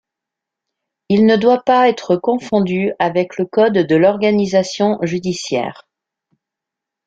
Il ne doit pas être confondu avec le code de l'organisation judiciaire.